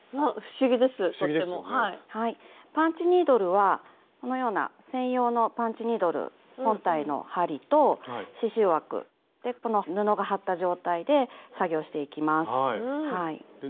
パンチニードルはこのような専用のパンチニードル本体の針と刺しゅう枠この布が張った状態で作業していきます。